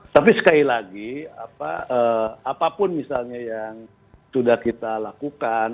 tapi sekali lagi apapun misalnya yang sudah kita lakukan